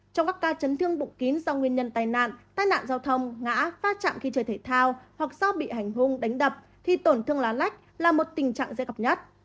trong các ca chấn thương bụng kín do nguyên nhân tai nạn tai nạn giao thông ngã phát chạm khi chơi thể thao hoặc do bị hành hung đánh đập thì tổn thương lá lách là một tình trạng dê cọc nhất